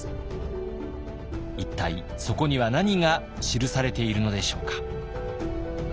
一体そこには何が記されているのでしょうか。